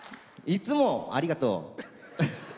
いつもありがとう。